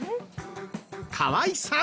河合さん。